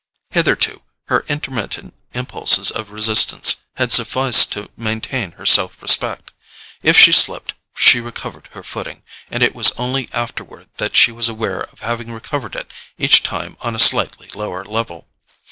Hitherto her intermittent impulses of resistance had sufficed to maintain her self respect. If she slipped she recovered her footing, and it was only afterward that she was aware of having recovered it each time on a slightly lower level.